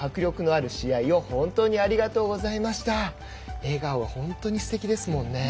笑顔が本当にすてきですもんね。